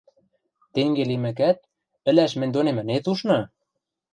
Тенге лимӹкӓт, ӹлӓш мӹнь донем ӹнет ушны?!